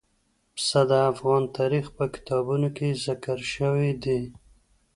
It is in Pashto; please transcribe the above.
پسه د افغان تاریخ په کتابونو کې ذکر شوی دي.